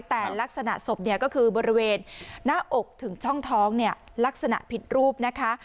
แต่ลักษณะศพเนี่ยก็คือบริเวณหน้าอกถึงช่องท้องเนี่ยลักษณะผิดรูปนะคะ